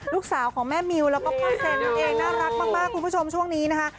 ลูกสาวของแม่มิวแล้วก็พ่อเซนนั่นเองน่ารักมากคุณผู้ชมช่วงนี้นะคะ